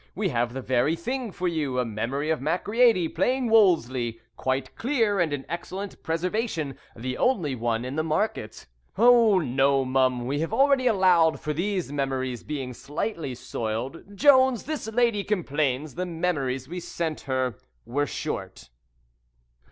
We have the very thing for you a memory of Macready playing Wolsey, quite clear and in excellent preservation; the only one in the market. Oh, no, mum; we have already allowed for these memories being slightly soiled. Jones, this lady complains the memories we sent her were short."